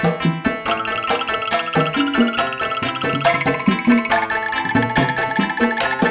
kalah sayuran ini sama kamu